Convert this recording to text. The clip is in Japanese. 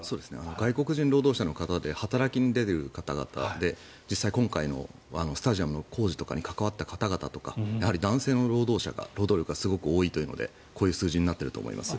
外国人労働者の方で働きに出ている方々で実際に今回のスタジアムの工事とかに関わった方々とかやはり男性の労働者の労働力が多いということでこういう数字になっていると思います。